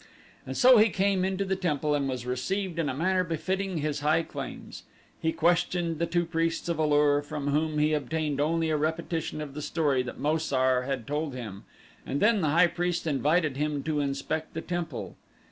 And so he came into the temple and was received in a manner befitting his high claims. He questioned the two priests of A lur from whom he obtained only a repetition of the story that Mo sar had told him, and then the high priest invited him to inspect the temple.